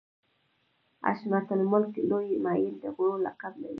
حشمت الملک لوی معین د غرو لقب لري.